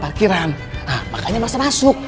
parkiran nah makanya masa masuk